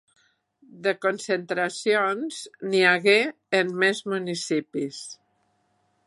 De concentracions, n’hi hagué en més municipis.